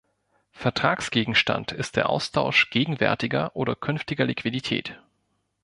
Vertragsgegenstand ist der Austausch gegenwärtiger oder künftiger Liquidität.